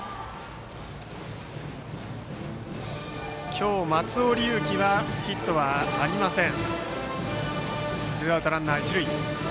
今日、松尾龍樹はヒットはありません。